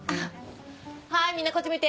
はいみんなこっち向いて。